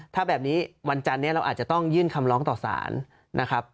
ถ้าแบบนี้วันจันนี้เราอาจจะต้องยื่นคำร้องต่อสารนะครับ